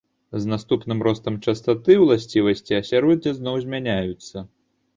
З наступным ростам частаты уласцівасці асяроддзя зноў змяняюцца.